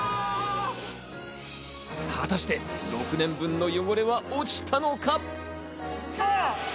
果たして６年分の汚れは落ちたのか？